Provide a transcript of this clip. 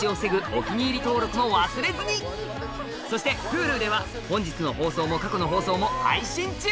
お気に入り登録も忘れずにそしてＨｕｌｕでは本日の放送も過去の放送も配信中！